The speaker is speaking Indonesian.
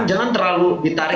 jangan terlalu ditarik